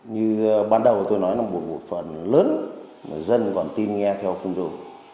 như ban đầu tôi nói là một bộ phận lớn mà dân còn tin nghe theo fungro